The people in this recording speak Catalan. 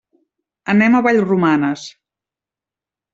Anem a Vallromanes.